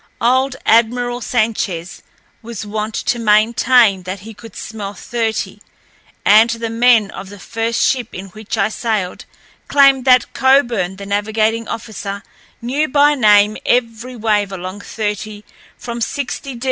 Old Admiral Sanchez was wont to maintain that he could smell thirty, and the men of the first ship in which I sailed claimed that Coburn, the navigating officer, knew by name every wave along thirty from 60°N.